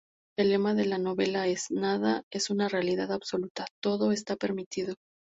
El lema de la novela es "Nada es una realidad absoluta, todo está permitido".